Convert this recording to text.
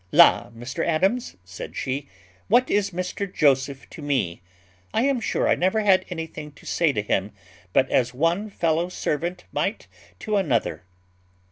"La! Mr Adams," said she, "what is Mr Joseph to me? I am sure I never had anything to say to him, but as one fellow servant might to another."